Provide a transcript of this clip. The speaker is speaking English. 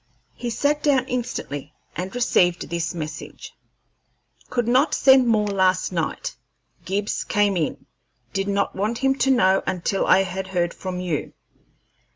He sat down instantly and received this message: "Could not send more last night. Gibbs came in. Did not want him to know until I had heard from you.